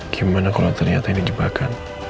gimana kalau ternyata ini jebakan